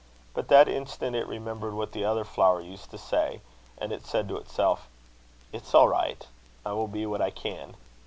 But that instant it remembered what the other flower used to say; and it said to itself: 'It's all right; I will be what I can.'